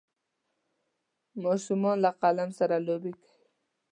ماشومان له قلم سره لوبې کوي.